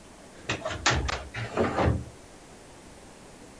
دښمن ته مه باور کوه